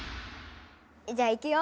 じゃあいくよ？